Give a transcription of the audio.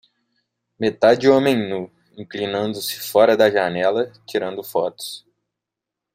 Metade homem nu, inclinando-se fora da janela, tirando fotos.